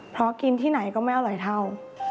เพราะกินที่ไหนก็ไม่อร่อยเท่า